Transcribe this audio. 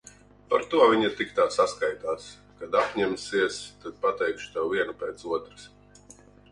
Par to viņa tik tā saskaitās. Kad apņemsies, tad pateikšu tev vienu pēc otras.